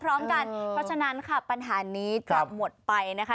เพราะฉะนั้นค่ะปัญหานี้กลับหมดไปนะคะ